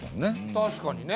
確かにね